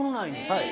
はい。